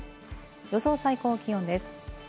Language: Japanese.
予想最高気温です。